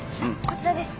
こちらです。